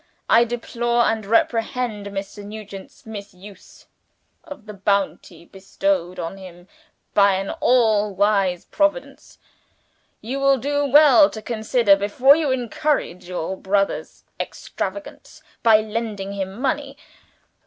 "I deplore and reprehend Mr. Nugent's misuse of the bounty bestowed on him by an all wise Providence. You will do well to consider, before you encourage your brother's extravagance by lending him money.